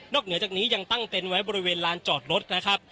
เหนือจากนี้ยังตั้งเต็นต์ไว้บริเวณลานจอดรถนะครับ